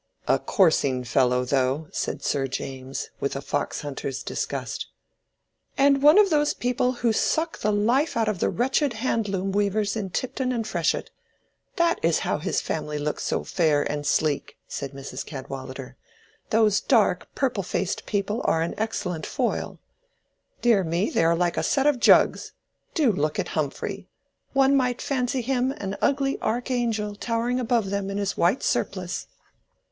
"A coursing fellow, though," said Sir James, with a fox hunter's disgust. "And one of those who suck the life out of the wretched handloom weavers in Tipton and Freshitt. That is how his family look so fair and sleek," said Mrs. Cadwallader. "Those dark, purple faced people are an excellent foil. Dear me, they are like a set of jugs! Do look at Humphrey: one might fancy him an ugly archangel towering above them in his white surplice."